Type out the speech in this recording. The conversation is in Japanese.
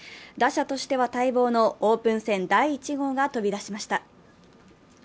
打者としては待望のオープン戦第１号が飛び出しました。